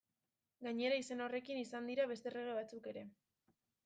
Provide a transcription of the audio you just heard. Gainera, izen horrekin izan dira beste errege batzuk ere.